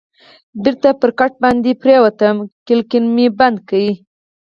بېرته پر کټ باندې پرېوتم، کړکۍ بندې وې.